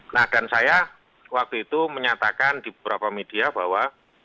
nah dan saya waktu itu menyatakan di beberapa media bahwa